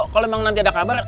kalau memang nanti ada kabar